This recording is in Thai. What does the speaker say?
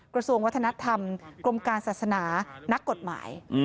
กระทรวงวัฒนธรรมกรมการศาสนานักกฎหมาย